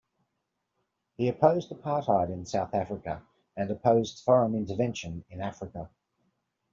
He opposed apartheid in South Africa and opposed foreign intervention in Africa.